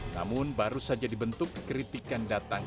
namun baru saja dibentuk kritikan datang